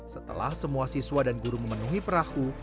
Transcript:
setelah semua siswa dan guru memenuhi perahu